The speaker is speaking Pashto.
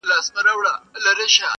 یو ګړی له وهمه نه سوای راوتلای-